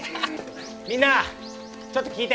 みんなちょっと聞いて。